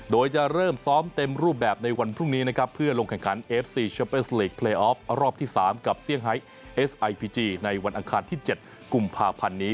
โดยจะเริ่มซ้อมเต็มรูปแบบในวันพรุ่งนี้นะครับเพื่อลงแข่งขันเอฟซีเชเปอร์สลีกเลออฟรอบที่๓กับเซี่ยงไฮเอสไอพีจีในวันอังคารที่๗กุมภาพันธ์นี้